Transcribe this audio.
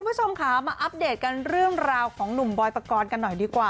คุณผู้ชมค่ะมาอัปเดตกันเรื่องราวของหนุ่มบอยปกรณ์กันหน่อยดีกว่า